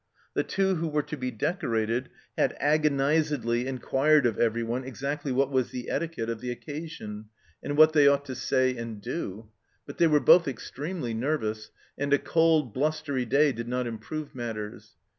The two who were to be decorated had agonisedly inquired of everyone exactly what was the etiquette of the SHELLED OUT 209 occasion, and what they ought to say and do ; but they were both extremely nervous, and a cold, blustery day did not improve matters.